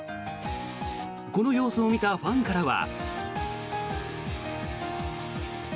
この様子を見たファンからは。